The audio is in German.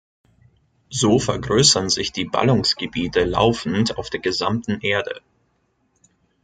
So vergrößern sich die Ballungsgebiete laufend auf der gesamten Erde.